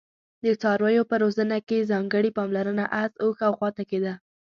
د څارویو په روزنه کې ځانګړي پاملرنه اس، اوښ او غوا ته کېده.